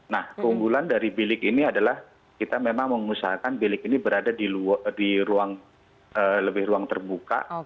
nah keunggulan dari bilik ini adalah kita memang mengusahakan bilik ini berada di ruang lebih ruang terbuka